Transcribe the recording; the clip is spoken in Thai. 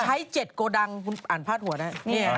ไทย๗กดังอ่านภาษาหัวได้